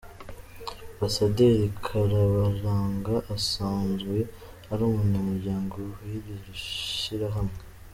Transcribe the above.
Ambasaderi Karabaranga asanzwe ari umunyamuryango w’iri shyirahamwe.